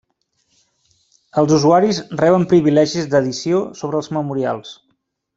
Els usuaris reben privilegis d'edició sobre els memorials.